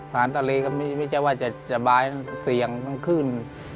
ผ่านตะเลก็ไม่ใช่ว่าจะบายสี่อย่างต้องขึ้น